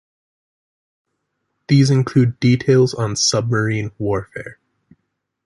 These included details on submarine warfare.